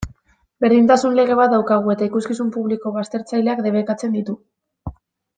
Berdintasun lege bat daukagu, eta ikuskizun publiko baztertzaileak debekatzen ditu.